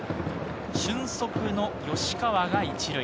俊足の吉川が１塁。